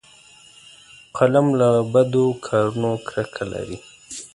قلم له بدو کارونو کرکه لري